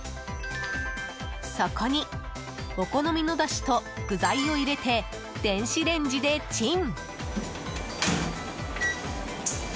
そこに、お好みのだしと具材を入れて、電子レンジでチン。